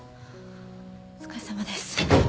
お疲れさまです。